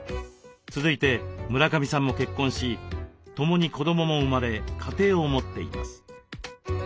続いて村上さんも結婚し共に子どもも生まれ家庭を持っています。